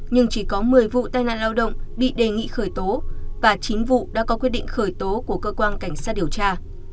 nhưng chỉ có một mươi vụ tai nạn lao động bị đề nghị khởi tố và chín vụ đã có quyết định khởi tố của cơ quan cảnh sát điều tra